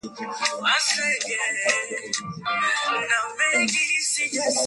wa kufanya jambo la kupembua mabaya na mazuri bila kuogopa kutengeneza Chuki Ruge